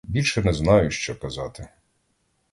Більше не знаю, що казати.